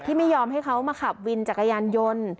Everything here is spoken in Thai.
ไม่ยอมให้เขามาขับวินจักรยานยนต์